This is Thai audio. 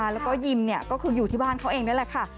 และก็อยู่ที่บ้านครับ